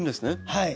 はい。